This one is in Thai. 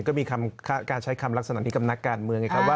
ก็มีการใช้คำลักษณะนี้กับนักการเมือง